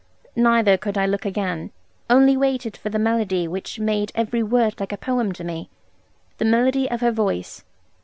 Neither could I look again; only waited for the melody which made every word like a poem to me, the melody of her voice.